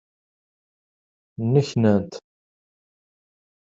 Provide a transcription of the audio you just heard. Nneknant.